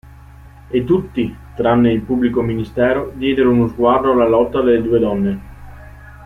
E tutti, tranne il pubblico ministero, diedero uno sguardo alla lotta delle due donne.